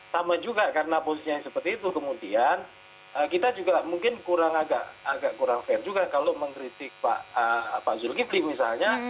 sama juga karena posisinya seperti itu kemudian kita juga mungkin kurang agak kurang fair juga kalau mengkritik pak zulkifli misalnya